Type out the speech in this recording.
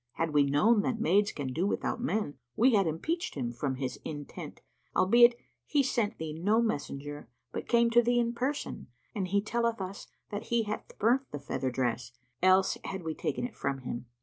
Had we known that maids can do without men, we had impeached him from his intent, albeit he sent thee no messenger, but came to thee in person; and he telleth us he hath burnt the feather dress; else had we taken it from him."